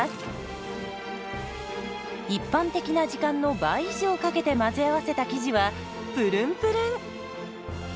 一般的な時間の倍以上かけて混ぜ合わせた生地はプルンプルン。